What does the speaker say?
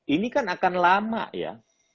ini kan akan lama ya